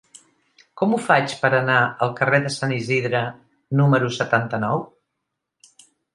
Com ho faig per anar al carrer de Sant Isidre número setanta-nou?